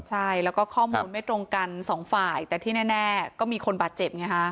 ใช่แล้วก็ข้อมูลไม่ตรงกันสองฝ่ายแต่ที่แน่ก็มีคนบาดเจ็บไงฮะ